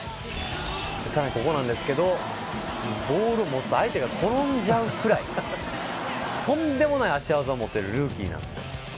さらにここなんですけどボールを持つと相手が転んじゃうくらいとんでもない足技を持ってるルーキーなんですよ。